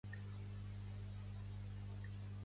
Pertany al moviment independentista la Nit?